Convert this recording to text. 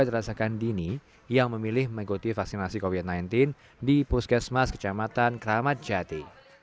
terasakan dini yang memilih mengikuti vaksinasi kopit sembilan belas di puskesmas kecamatan kramatjati